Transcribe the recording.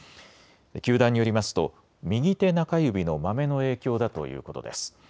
球団によりますと右手中指のまめの影響だということです。